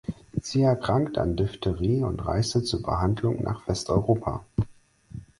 Sie erkrankte an Diphtherie und reiste zur Behandlung nach Westeuropa.